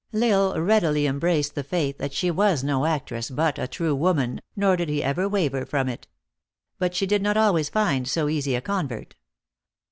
L Isle readily embraced the faith that she was no actress but a true woman, nor did he ever waver from it. But she did not always find so easy a convert.